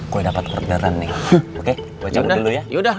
gua dapat orderan nih